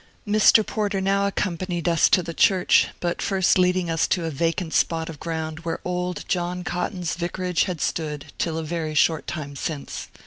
Mr. Porter now accompanied us to the church, but first leading us to a vacant spot of ground where old John Cotton's vicarage had stood till a very short time since.